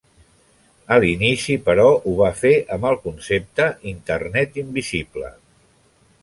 A l'inici, però, ho va fer amb el concepte Internet invisible.